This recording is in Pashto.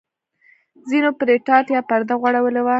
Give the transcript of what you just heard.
ځینو پرې ټاټ یا پرده غوړولې وه.